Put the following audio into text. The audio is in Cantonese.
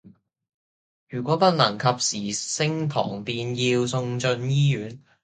如果不能及時升糖便要送進醫院